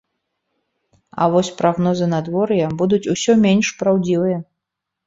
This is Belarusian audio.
А вось прагнозы надвор'я будуць усё менш праўдзівыя.